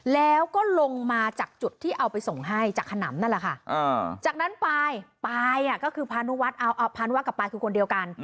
แล้วก็ลงมาจากจุดที่เอาไปส่งให้จากขนำนั่นแหละค่ะจากนั้นปายปายก็คือพานุวัฒน์พานวัตกับปายคือคนเดียวกัน